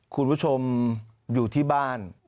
คุณผู้ชมอยู่ที่บ้าน